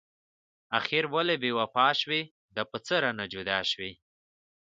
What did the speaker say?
اخر ولې بې وفا شوي؟ دا په څه رانه جدا شوي؟